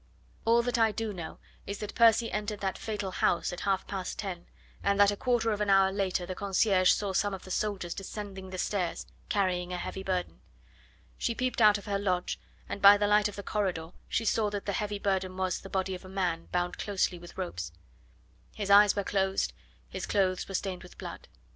All that I do know is that Percy entered that fatal house at half past ten, and that a quarter of an hour later the concierge saw some of the soldiers descending the stairs, carrying a heavy burden. She peeped out of her lodge, and by the light in the corridor she saw that the heavy burden was the body of a man bound closely with ropes: his eyes were closed, his clothes were stained with blood.